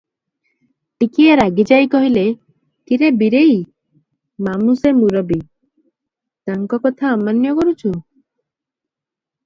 ଟିକିଏ ରାଗିଯାଇ କହିଲେ, "କି ରେ ବୀରେଇ! ମାମୁ ସେ, ମୁରବି, ତାଙ୍କ କଥା ଅମାନ୍ୟ କରୁଛୁ?